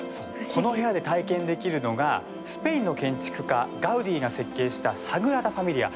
この部屋で体験できるのがスペインの建築家ガウディが設計したサグラダ・ファミリア。